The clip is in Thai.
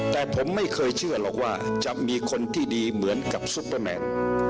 แต่ผมไม่เคยเชื่อหรอกว่าจะมีคนที่ดีเหมือนกับซุปเปอร์แมน